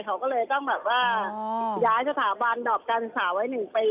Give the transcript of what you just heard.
เขาก็เลยต้องแบบว่าย้ายสถาบันดอบการศึกษาไว้๑ปี